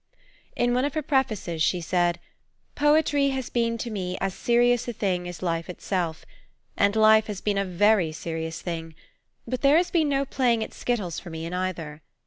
In one of her prefaces she said: "Poetry has been to me as serious a thing as life itself, and life has been a very serious thing; there has been no playing at skittles for me in either.